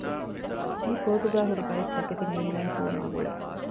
މިކޯޓުގައި ހުރި ބައެއްތަކެތި ނީލަންކިޔުމާގުޅޭ